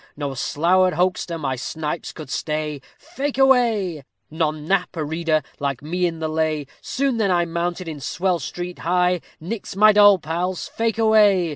_ No slour'd hoxter my snipes could stay, Fake away. None knap a reader like me in the lay. Soon then I mounted in swell street high. _Nix my doll pals, fake away.